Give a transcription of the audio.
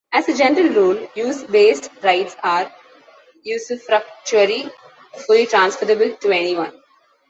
As a general rule, use-based rights are usufructuary, fully transferable to anyone.